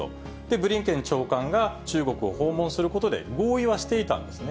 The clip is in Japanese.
ブリンケン長官が中国を訪問することで合意はしていたんですね。